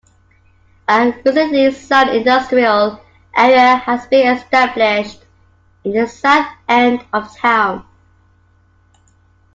A recently zoned industrial area has been established in the south end of town.